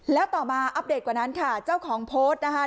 แล้วต่อมาอัปเดตกว่านั้นค่ะเจ้าของโพสต์นะคะ